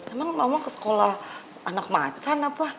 emang mama ke sekolah anak macan apa